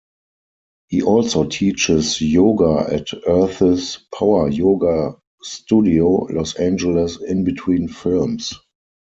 He also teaches yoga at Earth's Power Yoga studio, Los Angeles, in between films.